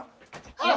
あっ！